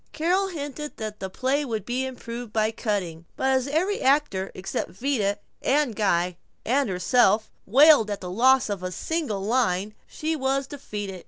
Carol hinted that the play would be improved by cutting, but as every actor except Vida and Guy and herself wailed at the loss of a single line, she was defeated.